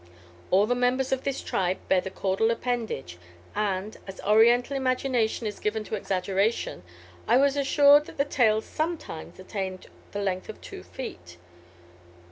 All the members of this tribe bear the caudal appendage, and, as Oriental imagination is given to exaggeration, I was assured that the tails sometimes attained the length of two feet.